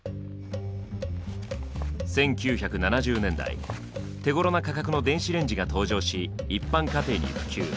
１９７０年代手ごろな価格の電子レンジが登場し一般家庭に普及。